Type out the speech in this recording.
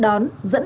dẫn đoàn người dân